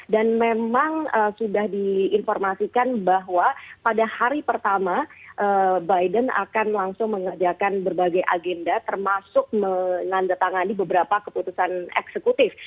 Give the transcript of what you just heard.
dan memang sudah diinformasikan bahwa pada hari pertama biden akan langsung mengejarkan berbagai agenda termasuk menandatangani beberapa keputusan eksekutif